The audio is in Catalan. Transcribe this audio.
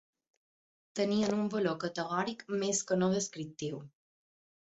Tenien un valor categòric més que no descriptiu.